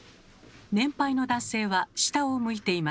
年配の男性は下を向いています。